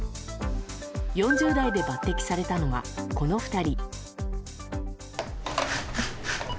４０代で抜擢されたのはこの２人。